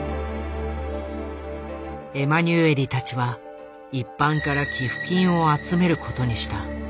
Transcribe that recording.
エマニュエリたちは一般から寄付金を集めることにした。